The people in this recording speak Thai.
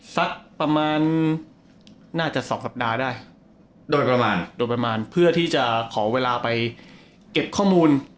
สักประมาณน่าจะสองสัปดาห์ได้โดยประมาณโดยประมาณเพื่อที่จะขอเวลาไปเก็บข้อมูล